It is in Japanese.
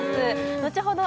後ほど